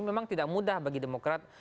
memang tidak mudah bagi demokrat